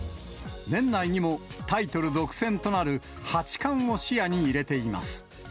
年内にもタイトル独占となる八冠を視野に入れています。